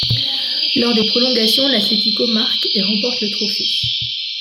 Lors des prolongations, l'Atlético marque et remporte le trophée.